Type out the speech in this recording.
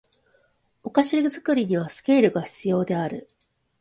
お菓子作りにはスケールが必要である